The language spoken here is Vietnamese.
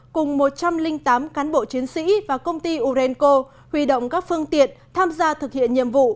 cùng một trăm linh tám cán bộ chiến sĩ và công ty urenco huy động các phương tiện tham gia thực hiện nhiệm vụ